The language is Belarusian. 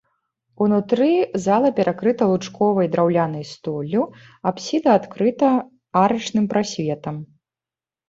Унутры зала перакрыта лучковай драўлянай столлю, апсіда адкрыта арачным прасветам.